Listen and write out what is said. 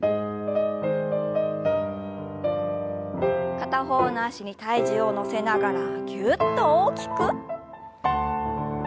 片方の脚に体重を乗せながらぎゅっと大きく。